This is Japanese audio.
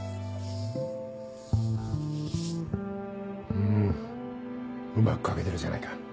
うんうまく書けてるじゃないか。